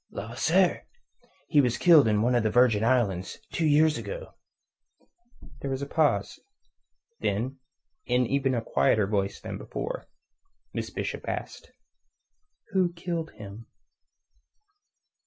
"Levasseur. He was killed on one of the Virgin Islands two years ago." There was a pause. Then, in an even quieter voice than before, Miss Bishop asked: "Who killed him?"